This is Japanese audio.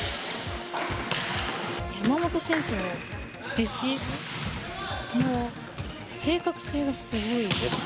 山本選手のレシーブの正確性がすごいです。